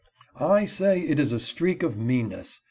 I say it is a streak of meanness.